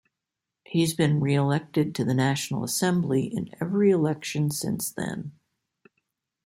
He has been re-elected to the National Assembly in every election since then.